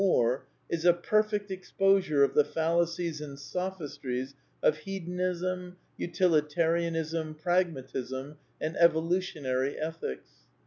Moore is a per fect exposure of the fallacies and sophistries of Hedon ism, Utilitarianism, Pragmatism and Evolutionary Ethics.